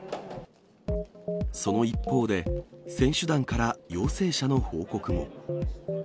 その一方で、選手団から陽性者の報告も。